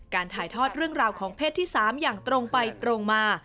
ถ่ายทอดเรื่องราวของเพศที่๓อย่างตรงไปตรงมา